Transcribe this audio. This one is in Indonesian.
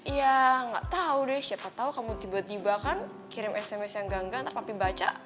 ya nggak tau deh siapa tau kamu tiba tiba kan kirim sms yang gangga ntar papi baca